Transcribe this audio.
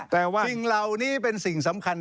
คิงเหลานี้เป็นสิ่งสำคัญ